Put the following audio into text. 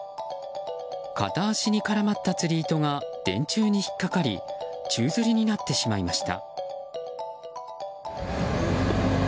片足に絡まった釣り糸が電柱に引っ掛かり宙づりになってしまいました。